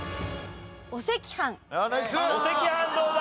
お赤飯どうだ？